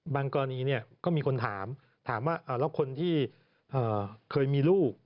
กรณีก็มีคนถามถามว่าแล้วคนที่เคยมีลูก